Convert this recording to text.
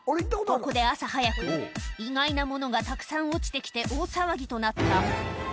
ここで朝早く意外なものがたくさん落ちて来て大騒ぎとなった